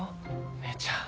姉ちゃん。